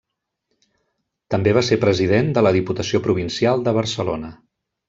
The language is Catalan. També va ser president de la diputació provincial de Barcelona.